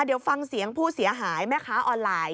เดี๋ยวฟังเสียงผู้เสียหายแม่ค้าออนไลน์